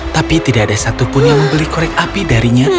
tapi tidak ada satupun yang membeli korek api darinya